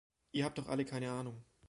Ihr habt doch alle keine Ahnung!